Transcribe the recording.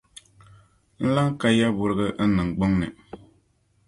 n lan ka yaburiga n niŋgbuŋ ni.